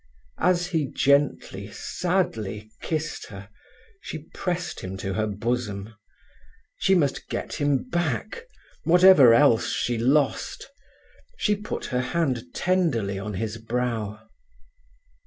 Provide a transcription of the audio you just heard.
As he gently, sadly kissed her she pressed him to her bosom. She must get him back, whatever else she lost. She put her hand tenderly on his brow.